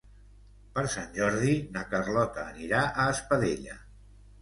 Per Sant Jordi na Carlota anirà a Espadella.